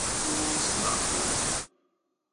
Hôôs makôô.